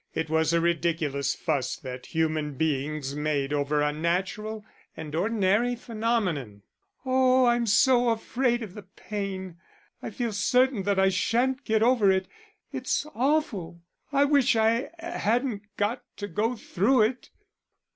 It was a ridiculous fuss that human beings made over a natural and ordinary phenomenon. "Oh, I'm so afraid of the pain. I feel certain that I shan't get over it it's awful. I wish I hadn't got to go through it."